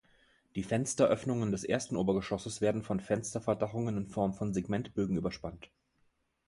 Die Fensteröffnungen des ersten Obergeschosses werden von Fensterverdachungen in Form von Segmentbögen überspannt.